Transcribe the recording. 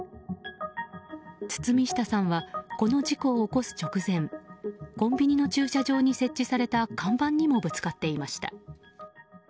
堤下さんはこの事故を起こす直前コンビニの駐車場に設置された看板にもぶつかっていました。